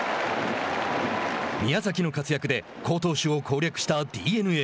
宮崎の活躍で好投手を攻略したＤｅＮＡ。